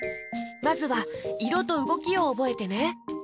まずはいろとうごきをおぼえてね。